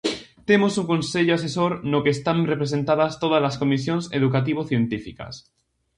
Temos un Consello Asesor no que están representadas tódalas comisións educativo-científicas.